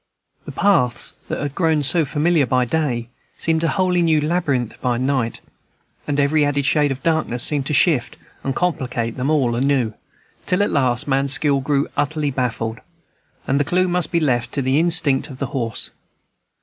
The paths that had grown so familiar by day seemed a wholly new labyrinth by night; and every added shade of darkness seemed to shift and complicate them all anew, till at last man's skill grew utterly baffled, and the clew must be left to the instinct of the horse.